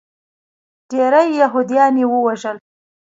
ډیری یهودیان یې ووژل.